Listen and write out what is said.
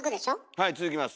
はい続きます。